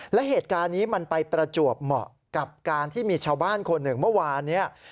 และเหตุการณ์นี้มันไปประจวบเหมาะกับการที่มีชาวบ้านคนหนึ่งเมื่อวานนี้